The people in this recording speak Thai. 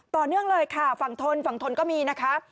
ต่อเนื่องเลยค่ะฝั่งทนฝั่งทนก็มีนะคะ